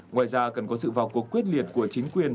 ngoài ra cần có sự vào cuộc quyết liệt của chính quyền